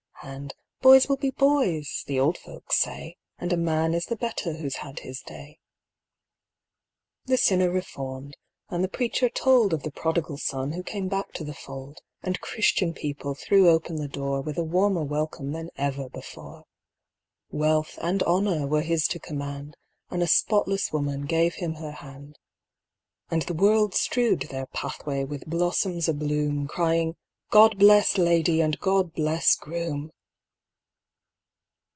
And boys will be boys, the old folks say, And a man is the better who's had his day The sinner reformed; and the preacher told Of the prodigal son who came back to the fold. And Christian people threw open the door, With a warmer welcome than ever before. Wealth and honour were his to command, And a spotless woman gave him her hand. And the world strewed their pathway with blossoms abloom, Crying, "God bless ladye, and God bless groom!"